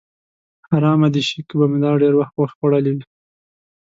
حرامه دې شي که به مو دا ډېر وخت غوښه خوړلې وي.